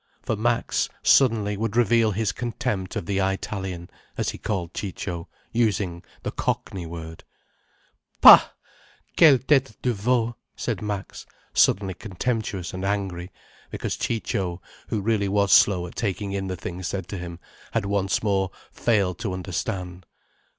For Max, suddenly, would reveal his contempt of the Eyetalian, as he called Ciccio, using the Cockney word. "Bah! quelle tête de veau," said Max, suddenly contemptuous and angry because Ciccio, who really was slow at taking in the things said to him, had once more failed to understand.